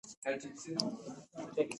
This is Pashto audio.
په شکور کښې په ډوډو څپُوڼے خپور کړه۔